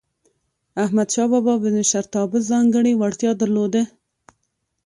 احمدشاه بابا د مشرتابه ځانګړی وړتیا درلودله.